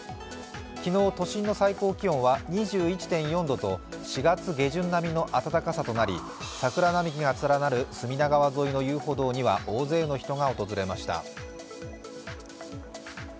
昨日、都心の最高気温は２１．４度と４月下旬並みの暖かさとなり、桜並木が連なる隅田川沿いの遊歩道には大勢の人が訪れました。